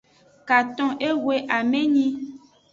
Katon ehwe amenyi.